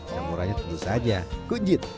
campurannya tentu saja kunyit